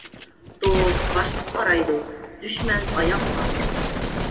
دوست باشقا قارايدۇ، دۈشمەن ئاياققا.